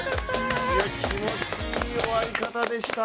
気持ちいい終わり方でした。